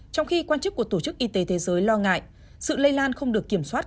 trong khi quan chức của tổ chức y tế thế giới lo ngại sự lây lan không được kiểm soát